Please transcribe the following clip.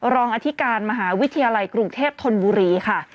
อธิการมหาวิทยาลัยกรุงเทพธนบุรีค่ะ